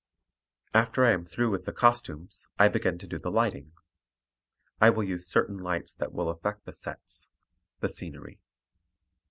After I am through with the costumes, I begin to do the lighting. I will use certain lights that will affect the sets, the scenery.